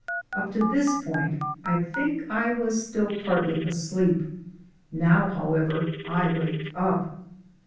Up to this point I think I was still partly asleep. Now, however, I waked up.